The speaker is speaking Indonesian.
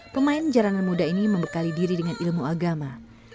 pemain jalanan muda ini membekali diri dengan ilmu agama